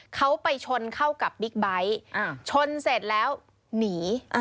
เขาไปชนเข้ากับบิ๊กไบท์ชนเสร็จแล้วหนี